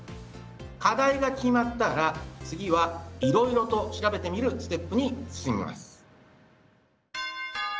課題が決まったら次はいろいろと調べてみるステップに進みます。